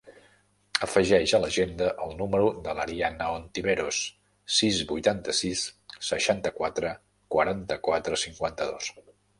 Afegeix a l'agenda el número de l'Ariana Ontiveros: sis, vuitanta-sis, seixanta-quatre, quaranta-quatre, cinquanta-dos.